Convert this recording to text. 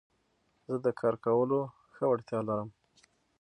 زه د کار کولو ښه وړتيا لرم.